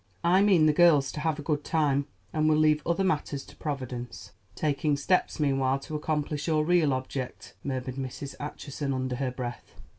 I mean the girls to have a good time, and will leave other matters to Providence." "Taking steps meanwhile to accomplish your real object," murmured Mrs. Acheson under her breath.